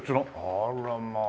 あらまあ。